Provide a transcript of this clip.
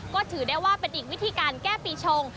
ก็ถือได้ว่าเป็นอีกวิธีการแก้ปีชง